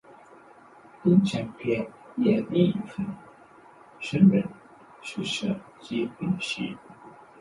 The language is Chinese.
金钱别墅已婚军人宿舍及林夕。